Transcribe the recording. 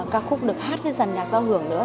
các khúc được hát với giàn nhạc giao hưởng nữa